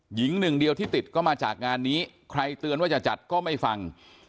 หนึ่งเดียวที่ติดก็มาจากงานนี้ใครเตือนว่าจะจัดก็ไม่ฟัง